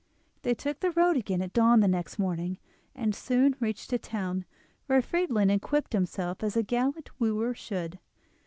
They took the road again at dawn the next morning, and soon reached a town, where Friedlin equipped himself as a gallant wooer should.